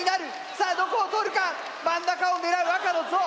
さあどこを取るか⁉真ん中を狙う赤のゾウ！